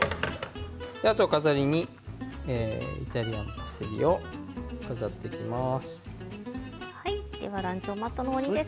あとは飾りにイタリアンパセリを飾っていきます。